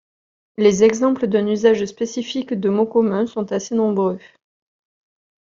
Les exemples d'un usage spécifique de mots communs sont assez nombreux.